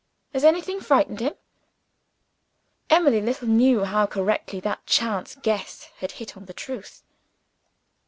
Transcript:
Has anything frightened him?" Emily little knew how correctly that chance guess had hit on the truth!